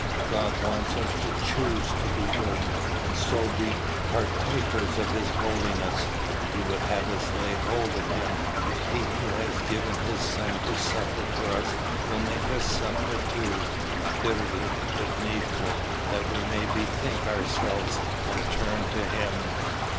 God wants us to choose to be good, and so be partakers of his holiness; he would have us lay hold of him. He who has given his Son to suffer for us will make us suffer too, bitterly if needful, that we may bethink ourselves, and turn to him.